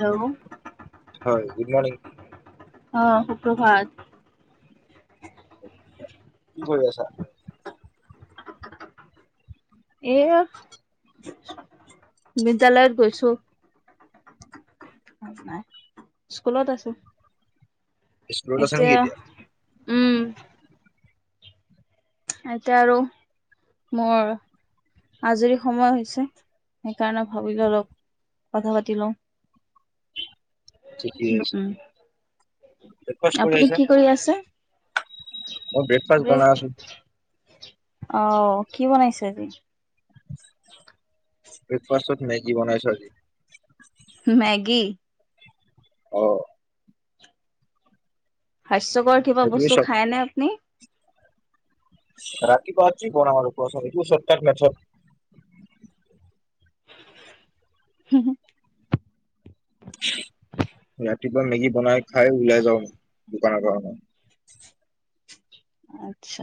Hello হয় good morning অ সুপভাত কি কৰি আছা এ বিদ্যালয়ত গৈছো নাই স্কুলত আছো স্কুলত আছা নেকি এতিয়া উম এতিয়া আৰু মোৰ আজৰি সময় হৈছে সেইকাৰণে ভাবিলো অলপ কথা পাতি লওঁ ঠিকে আছে উম ব্ৰেকফাষ্ট কৰি আপুনি আহিছা কি কৰি আছে মই ব্ৰেকফাষ্ট বনাই আছো আহ কি বনাইছে আজি ব্ৰেকফাষ্টত মেগী বনাইছো আজি মেগি অ হাস্যকৰ কিবা সেইটোৱে বস্তু চব খায় নে আপুনি [unintelligible] হম ৰাতিপুৱা মেগী বনাই খাই উওলাই যাওঁ দোকানৰ কাৰণে আচ্ছা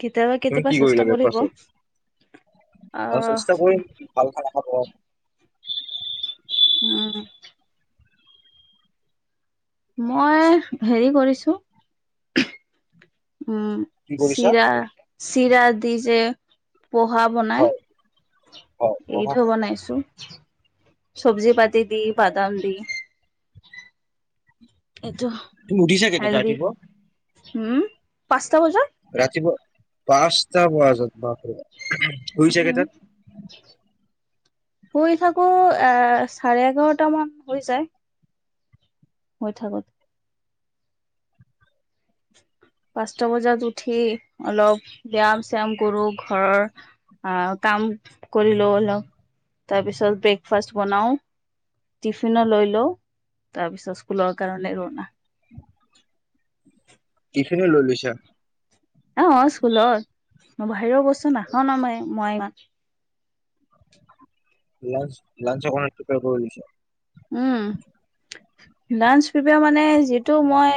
কেতিয়াবা তুমি কেতিয়াবা কি কৰি চেষ্টা লা কৰিব ব্ৰেকফাষ্টত আৰু আহ চেষ্টা কৰি ভাল খানা অ উম মই হেৰি কৰিছো উম কি কৰিছা চিৰা চিৰা দি যে পোহা বনাই হয় হয় পঢ়া এইটো বনাইছো চব্জি পাতি দি বাদাম দি এইটো তুমি উঠিছা কেইটাত হেলদি ৰাতিপুৱা উম পাঁচটা বজাত ৰাতিপুৱা পাঁচটা বজাত বাপৰি [unintelligible] উম তাত শুই থাকো এ চাৰে এঘাৰটা মান হৈ যায় হৈ থাকত পাঁচটা বজাত উঠি অলপ ব্যায়াম চ্যাম কৰো ঘৰৰ আহ, কাম কৰিলো অলপ, তাৰপিছত ব্ৰেকফাষ্ট বনাও। টিফিনো লৈ লও তাৰপিছত স্কুলৰ কাৰণে ৰোনা। টিফনত লৈ লৈছা! অৱ স্কুলত বাহিৰৰ বস্তু নাখাও ন মই মই ইমান। লাঞ্চ লাঞ্চৰ কাৰণে প্ৰিপিয়াৰ কৰি লৈছ। উম। লাঞ্চ প্ৰিমিয়াৰ মানে যিটো মই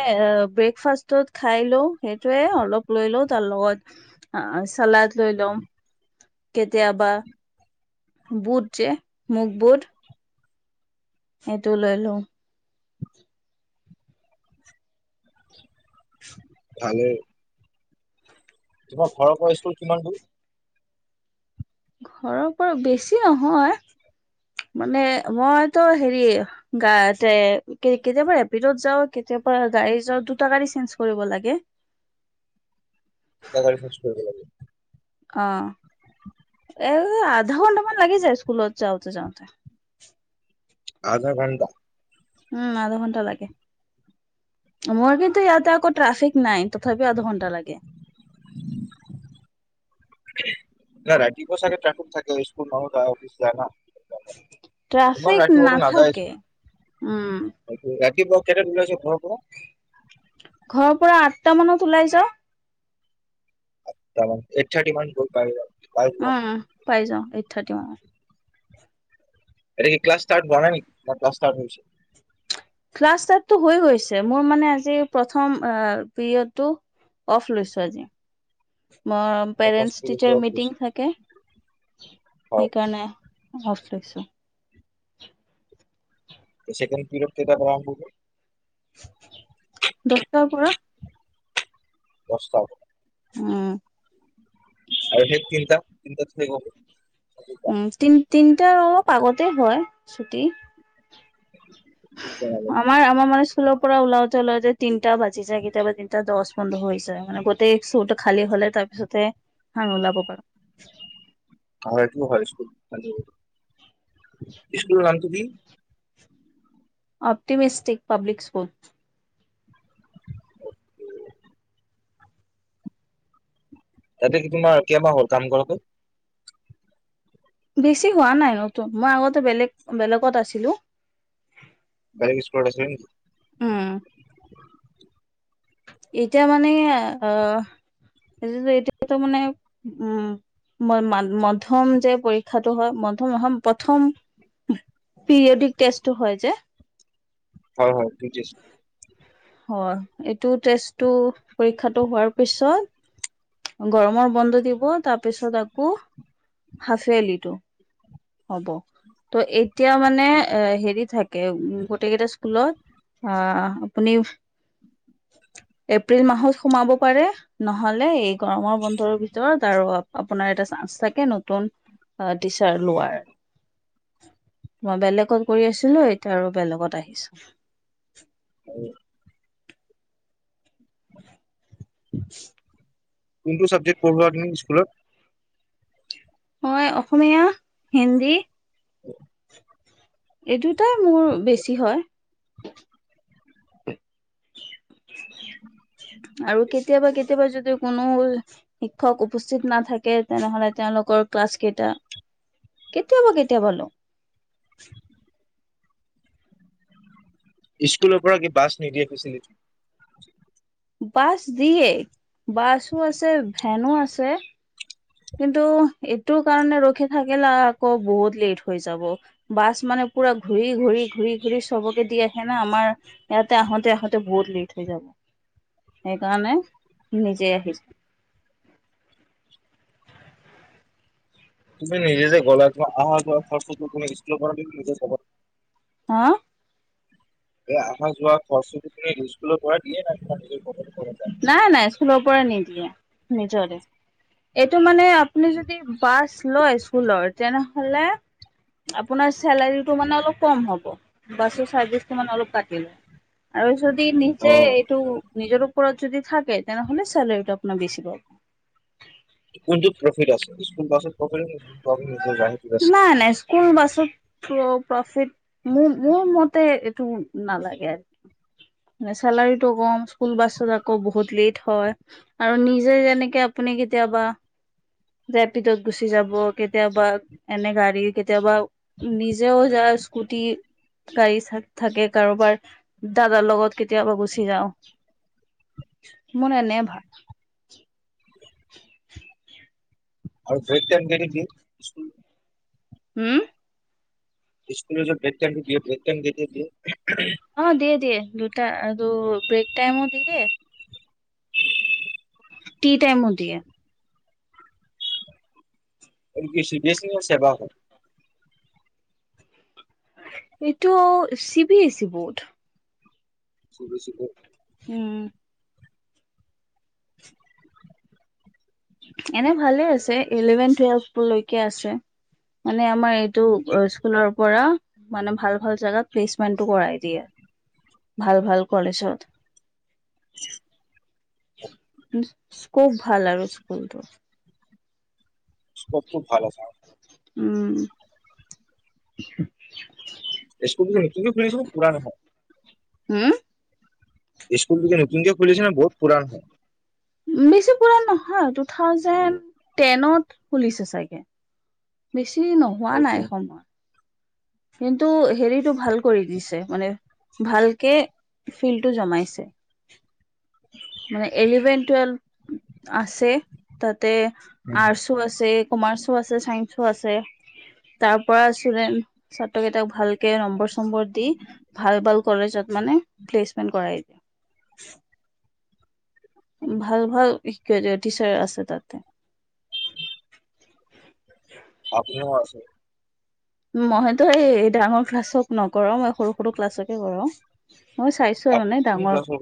ব্ৰেকফাষ্টত খাইলো সেইটোয়ে অলপ লৈ লও তাৰ লগত চালাদ লৈ লম। কেতিয়াবা, বুট যে মুখ বুট সেইটো লৈ লওঁ। ভালেই। তোমাৰ ঘৰৰ পৰা স্কুল কিমান দূৰ? ঘৰৰ পৰা বেছি নহয়। মানে মইতো হেৰি গাতে কেতিয়াবা এপিডত যাও কেতিয়া তাপা গাড়ী জ দুটা গাড়ী চেঞ্জ কৰিব লাগে দুটা গাড়ী [unintelligible] কৰিব লাগে অ [unintelligible] এ আধা ঘন্টা মান লাগি যায় স্কুলত যাওঁতে যাওঁতে। আধা ঘণ্টা। উম আধা ঘন্টা লাগে, মোৰ কিন্তু ইয়াতে আকৌ ট্ৰাফিক নাই। তথাপিও আধা ঘণ্টা লাগে। ৰাতিপুৱা চাগে ট্ৰেফিক থাকে স্কুলত ন যায় অফিচ যাই নাহ। ইমান ট্ৰাফিক ৰাতিপুৱাটো নাযায় নাথাকে উম [unintelligible] ৰাতিপুৱাত কেইটাত ওলাইছে ঘৰ পৰা ঘৰৰ পৰা আঠটা মানত ওলাই যাওঁ। আঠটা মান এইট থাৰ্টি মানত গৈ পাই যাম। পাই যোৱা উম পাই যাওঁ এইট থাৰ্টি মানত এতিয়া কি ক্লাছ ষ্টাৰ হোৱা নাই নেকি না ক্লাছ ষ্টাৰ হৈছে। ক্লাছ ইষ্টাটো হৈ গৈছে মোৰ মানে আজি প্ৰথম পিৰিয়ডটো। অফ লৈছো আজি। মই ফাৰ্ষ্ট পেৰেন্টচ পিৰিয়ড টিচাৰ কিবা হৈছে? মিটিং থাকে হয় সেইকাৰণে। অফ লৈছো। চেকেণ্ড পিৰিয়ড কেইটা পৰা আৰম্ভ হ'ব দছটাৰ পৰা। দছটা পৰা। উম। আৰু হেই তিনিটাত, তিনিটাত শেষ হ'ব। সেইটো উম, তিন-তিনটাৰ অলপ আগতে হয়, ছুটি। আমাৰ, আমাৰ মানে স্কুলৰ পৰা ওলাওঁতে, ওলাওঁতে তিনিটা বাজি যায় কেতিয়াবা তিনটা দছ। পোন্ধ হৈ যায় মানে গোটেই স্কুলটো খালী হ'লে তাৰপিছতে [unintelligible] ওলাব পাৰোঁ। হয়, এইটো হয়, স্কুল, ইস্কুলৰ নামটো কি? Optimistic public school. তাতে কি তোমাৰ কেইমাহ হ'ল কাম কৰাটো? বেছি হোৱা নাই [unintelligible] মই আগতে বেলেগ, বেলেগত আছিলোঁ। বেলেগ ইস্কুলত আছিলা নিকি? উম। এতিয়া মানে এয় অ', [inaudible] এতিয়াতো মানে উম। মই-মান মধ্যম যে, পৰীক্ষাটো হয়, মধম [unintelligible] প্ৰথম পিৰিয়দিক টেষ্টতো হয়, যে। হয় হয় বুজিছো। হয় এইটো টেষ্টতো পৰীক্ষাটো হোৱাৰ পিছত। গৰমৰ বন্ধ দিব, তাৰ পিছত আকৌ হাফ-ইয়াৰ্লিটো। হ'ব ত এতিয়া মানে এ হেৰি থাকে গোটেই কেইটা স্কুলত আহ আপুনি এপ্ৰিল মাহত সোমাব পাৰে নহলে এ গৰমৰ বন্ধৰ ভিতৰত আৰু আপোনাৰ এটা চানছ থাকে নতুন টিচাৰ লোৱাৰ। [inaudible] মই বেলেগত কৰি আছিলো, এতিয়া আৰু বেলেগত আহিছো। [unintelligible] [inaudible] কোনটো চাবজেক্ট পঢ়োৱা তুমি স্কুলত? মই অসমীয়া, হিন্দী। [inaudible] এই দুটাই মোৰ বেছি হয়। আৰু কেতিয়াবা কেতিয়াবা যদি কোন নোল শিক্ষক উপস্থিত নাথাকে তেনেহলে তেওঁলোকৰ ক্লাছ কেইটা কেতিয়াবা কেতিয়াবা ল স্কুলৰ পৰা কি বাছ নিদিয়ে ফেচিলিটি বাছ দিয়ে বাছো আছে ভেনো আছে। কিন্তু এইটো কাৰণে ৰখি থাকিলে আকৌ বহুত লেট হৈ যাব বাছ মানে পুৰা ঘূৰি ঘূৰি ঘূৰি ঘূৰি চবকে দি আহে না আমাৰ ইয়াতে আহোতে আহোঁতে বহুত লেট হৈ যাব [inaudible] সেইকাৰণে নিজে আহিছ [inaudible] তুমি নিজে যে গলা তোমাৰ আহা যোৱা খৰছটোতো কোনে দিছ স্কুল পৰা দিয়ে না নিজে কবা হা? এই আহা যোৱা খৰচটো কোনে দিয়ে স্কুলৰ পৰা দিয়ে নাই কিবা নিজ [unintelligible] নাই নাই স্কুলৰ পৰা নিদিয়ে নিজৰে, এইটো মানে আপুনি যদি বাছ লয় স্কুলৰ তেনেহলে আপোনাৰ চেলাৰীটো অলপ কম হব বাছৰ চৰ্বিৰ কিমান অলপ কাটি লয়, আৰু যদি নিজে অ', এইটো নিজৰো যদি থাকে তেনেহলে চালাৰিটো আপোনাৰ বেছি পাব। কোনটো প্ৰফিট আছে স্কুল বাছত প্ৰফিট [unintelligible] আছে। নাই নাই স্কুল বাছত প্ৰ-প্ৰফিট মো-মোৰ মতে টো নালাগে আৰু চেলাৰীটো কম স্কুল বাছত আকৌ বহুত লেট হয় আৰু নিজে যেনেকে আপুনি কেতিয়াবা যেপিতত গুচি যাব কেতিয়াবা এনে গাড়ী কেতিয়াবা নিজেও য স্কুটি গাড়ী থাক থাকে কাৰোবাৰ দাদাৰ লগত কেতিয়াবা গুচি যাও। মোৰ এনে ভাল আৰু ব্ৰেক তেম দি দি উম। স্কুলৰ যে ব্ৰেক তাইমটো দিয়ে ব্ৰেক তাইম যেতিয়া দিয়ে অ' দিয়ে দিয়ে দুটা দু ব্ৰেক টাইমো দিয়ে। তি তাইমো দিয়ে। আৰু কি চি বি এছ নে চেবা হয়? এইটো C B S E board. চুবছিক [unintelligible] উম। এনে ভালে আছে ইলেভেন টুৱেলভলৈকে আছে মানে আমাৰ টোৰ স্কুলৰ পৰা মানে ভাল ভাল জেগাত প্লেচমেন্টটো কৰাই দিয়ে। ভাল ভাল কলেজত। স্কুপ ভাল আৰু স্কুলটোৰ। স্কুপটো ভাল আছে উম। স্কুলখন নতুনকে খুলিছেনে পুৰাণা হয়। হম। স্কুলটো নতুনকে খুলিছিল নে বহুত পুৰাণ বেছি পুৰাণ নহয় টু থাউজেণ্ড টেনত খুলিছে চাগে। বেছি নোহোৱা নাই সময়। কিন্তু হেৰিটো ভাল কৰি দিছে মানে ভালকে ফিল্ডটো জমাইছে। মানে এলেভেন টুৱেলভ আছে তাত। তে আৰ্টছো আছে কমাৰ্চো আছে চাইন্চো আছে। তাৰ পৰা আছিলে। ছাত্ৰকেইটাক ভালকে নম্বৰ চম্বৰ দি ভাল ভাল কলেজত মানে প্লেচমেন্ট কৰাই। [inaudible] ভাল ভাল শিক [unintelligible] টিচাৰ্ছ আছে তাত। আপনিও আছে। মইটো এই ডাঙৰ ক্লাছক নকৰোঁ মই সৰু সৰু ক্লাছকে কৰোঁ। মই চাইছোঁ আৰু মানে ডাঙৰ ক্লাছ হ'ব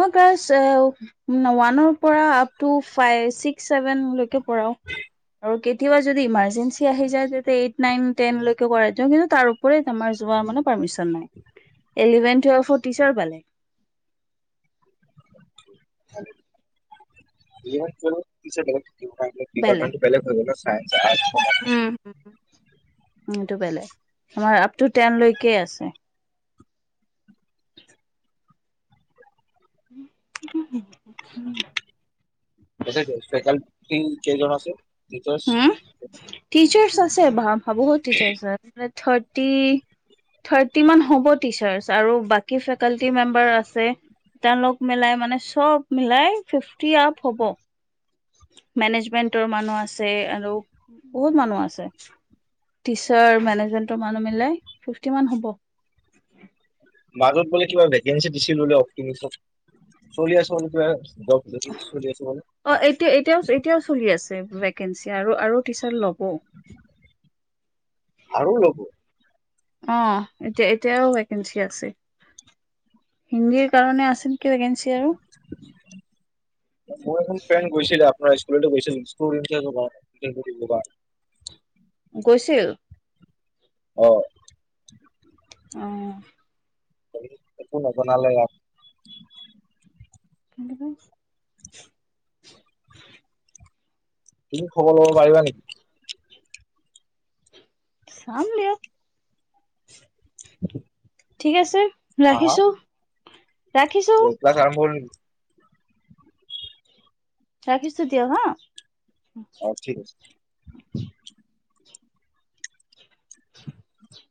মই ক্লাছ ওৱানৰ পৰা আপটো ফাই ছিক্স ছেভেন লৈকে পঢ়াও আৰু কেতিয়াবা যদি ইমাৰ্জেঞ্চি আহি যায় তেতিয়া এইট নাইন টেন লৈকে কৰাই দিওঁ কিন্তু তাৰ ওপৰে আমাৰ যোৱাৰ মানে পাৰ্মিছন নাই। এলেিভেন টুৱেলভ টিচাৰ বেলেগ। [unintelligible] ডিপাৰ্টমেণ্টটো বেলেগ বেলেগ হয়। [unintelligible] এইটো বেলেগ আমাৰ আপ টু টেন লৈকে আছে। [inaudible] তাকেইটো ফেকাল্টি কেইজন আছে? টিচাৰ্ছ হোম, টিচাৰ্ছ আছে বা-বহুত টিচাৰ্ছ আছে, লাইক থাৰ্টি থাৰ্টি মান হ'ব টিচাৰ্ছ আৰু বাকী ফেকাল্টি মেম্বাৰ আছে। তেওঁলোক মিলাই মানে চব মিলাই ফিফ্টি আপ হ'ব। মেনেজমেন্টৰ মানুহ আছে আৰু বহুত মানুহ আছে। টিচাৰ, মেনেজমেন্টৰ মানুহ মিলাই ফিফ্টি মান হ'ব। মাজত বোলে কিবা ভেকেঞ্চি দিছিল বোলে, [unintelligible] চলি [unintelligible] ভেকেঞ্চি চলি আছে বোলে অহ, অ', এটি-এতিয়াও, এতিয়াও চলি আছ ভেকেঞ্চি আৰু, আৰু টিচাৰ ল'ব। আৰু ল'ব? অহ, এতিয়া-এতিয়াও ভেকেঞ্চি আছে। হিন্দীৰ কাৰণে আছিল। মোৰ এজন ফ্ৰেণ্ড গৈছিলে আপ নাৰ স্কুললৈও গৈছিল, [unintelligible] গৈছিল? অ'। অ'। একো নজনালে আৰু [inaudible] তুমি খবৰ লব পাৰিবা নেকি? চাম দিয়ক ঠিক আছে, হা হা ৰাখিছোঁ। [unintelligible] ৰাখিছ দিয়ক হা অ ঠিক আছে [inaudible]